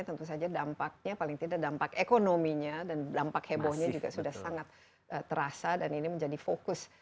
tentu saja dampaknya paling tidak dampak ekonominya dan dampak hebohnya juga sudah sangat terasa dan ini menjadi fokus